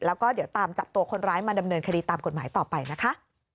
แล้วก็เดี๋ยวตามจับตัวคนร้ายมาดำเนินคดีตามกฎหมายต่อไปนะคะ